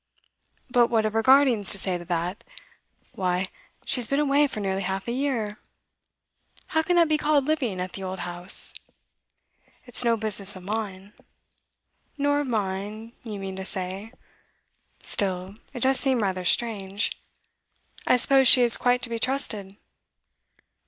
'But what have her guardians to say to that? Why, she has been away for nearly half a year. How can that be called living at the old house?' 'It's no business of mine.' 'Nor of mine, you mean to say. Still, it does seem rather strange. I suppose she is quite to be trusted?